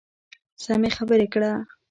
سمې خبرې کړه .